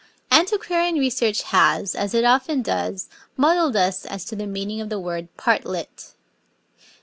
Antiquarian research has, as it often does, muddled us as to the meaning of the word 'partlet.'